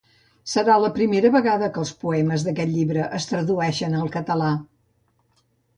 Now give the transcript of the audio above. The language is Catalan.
Serà la primera vegada que els poemes d'aquest llibre es tradueixen al català.